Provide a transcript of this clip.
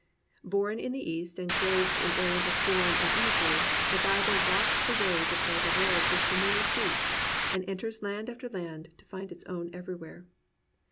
Bom in the East and clothed in Oriental form and imagery, the Bible walks the ways of all the world with familiar feet and enters land after land to find its own everywhere.